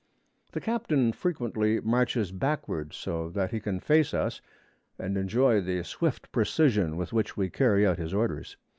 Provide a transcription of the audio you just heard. The captain frequently marches backward, so that he can face us and enjoy the swift precision with which we carry out his orders.